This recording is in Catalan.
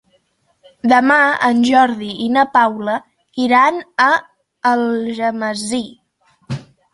Demà en Jordi i na Paula iran a Algemesí.